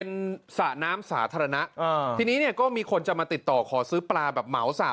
เป็นสระน้ำสาธารณะอ่าทีนี้เนี่ยก็มีคนจะมาติดต่อขอซื้อปลาแบบเหมาสระ